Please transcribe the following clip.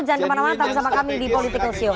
jangan kemana mana tetap bersama kami di political show